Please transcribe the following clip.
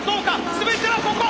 全てはここ！